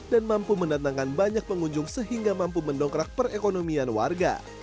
dan mampu menandangkan banyak pengunjung sehingga mampu mendongkrak perekonomian warga